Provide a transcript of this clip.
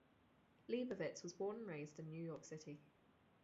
Leibovitz was born and raised in New York City.